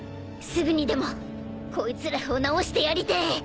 すぐにでもこいつらを治してやりてえ。